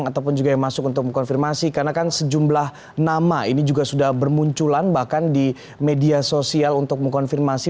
ataupun juga yang masuk untuk mengkonfirmasi karena kan sejumlah nama ini juga sudah bermunculan bahkan di media sosial untuk mengkonfirmasi